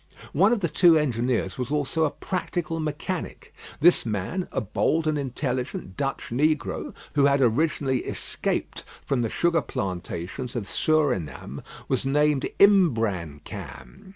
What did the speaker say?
One of the two engineers was also a practical mechanic. This man, a bold and intelligent Dutch negro, who had originally escaped from the sugar plantations of Surinam, was named Imbrancam.